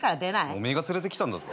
お前が連れてきたんだぞ。